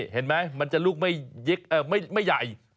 เห็นไหมมันจะลูกไม่ใหญ่